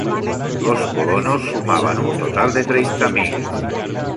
los colonos sumaban un total de treinta mil